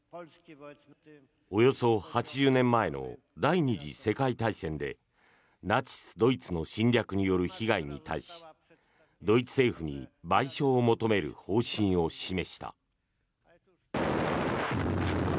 およそ８０年前の第２次世界大戦でナチス・ドイツの侵略による被害に対しドイツ政府に賠償を求める方針を示した。